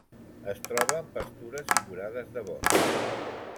Es troba en pastures i vorades de boscs.